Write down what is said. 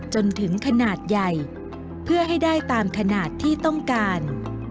จนถึงขนาดใหญ่เพื่อให้ได้ตามขนาดที่ต้องการ